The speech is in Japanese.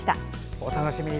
お楽しみに。